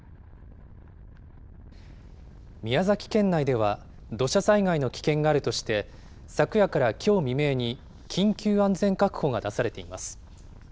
宮崎県内では土砂災害の危険があるとして、昨夜からきょう未明に、緊急安全確保が出されています。